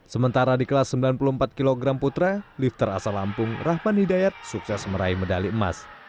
sementara di kelas sembilan puluh empat kg putra lifter asal lampung rahman hidayat sukses meraih medali emas